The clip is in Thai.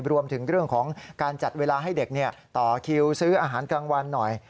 รวมถึงเรื่องของการจัดเวลาให้เด็กต่อคิวซื้ออาหารกลางวันหน่อย